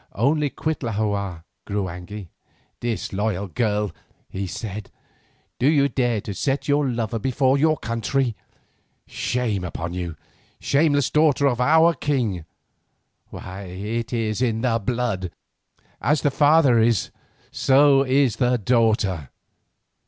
Only Cuitlahua grew angry. "Disloyal girl," he said; "do you dare to set your lover before your country? Shame upon you, shameless daughter of our king. Why, it is in the blood—as the father is so is the daughter.